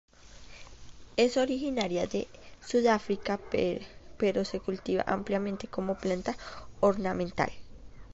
Es originaria de Sudáfrica, pero se cultiva ampliamente como planta ornamental.